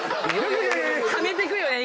はめていくよね